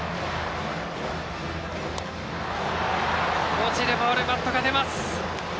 落ちるボールにバットが出ました。